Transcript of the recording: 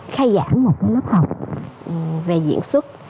khai giảng một lớp học về diễn xuất